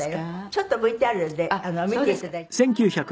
ちょっとＶＴＲで見ていただいていいですか？